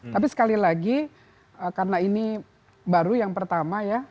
tapi sekali lagi karena ini baru yang pertama ya